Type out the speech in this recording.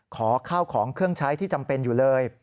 ขอข้าวของเครื่องใช้ที่จำเป็นอยู่เลย